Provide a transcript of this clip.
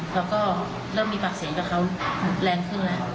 แล้วก็เริ่มมีปากเสียงกับเขาแรงขึ้นแล้ว